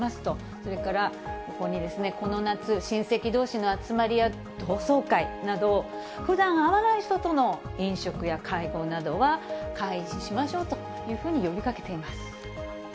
それからここに、この夏、親戚どうしの集まりや同窓会など、ふだん会わない人との飲食や会合などは、回避しましょうというふうに呼びかけています。